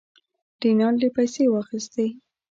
رینالډي پیسې واخیستې.